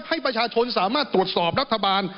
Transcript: ให้ประชาชนสามารถตรวจสอบรัฐบาล